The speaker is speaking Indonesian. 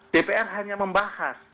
dpr hanya membahas